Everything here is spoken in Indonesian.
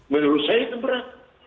menurut saya itu berat